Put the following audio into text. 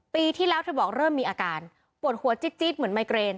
ปีที่แล้วเธอบอกเริ่มมีอาการปวดหัวจิ๊ดเหมือนไมเกรน